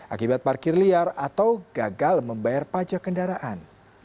akibat parkir liar atau gagal membayar pajak kendaraan